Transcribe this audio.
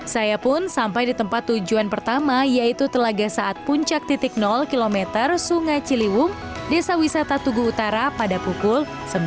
saya pun sampai di tempat tujuan pertama yaitu telaga saat puncak km sungai ciliwung desa wisata tugu utara pada pukul sembilan